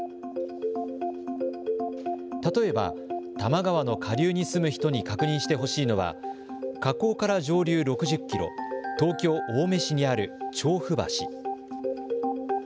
例えば多摩川の下流に住む人に確認してほしいのは河口から上流６０キロ、東京・青梅市にある調布橋。